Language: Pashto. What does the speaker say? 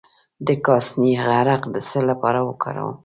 د کاسني عرق د څه لپاره وکاروم؟